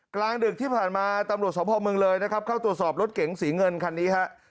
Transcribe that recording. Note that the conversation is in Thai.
กลางดึกที่ผ่านมาตำรวจสมภาพเมืองเลยนะครับเข้าตรวจสอบรถเก๋งสีเงินคันนี้ฮะ